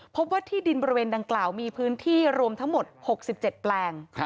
พบว่าที่ดินบริเวณดังกล่าวมีพื้นที่รวมทั้งหมด๖๗แปลง